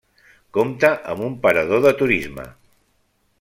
Compte amb un parador de turisme.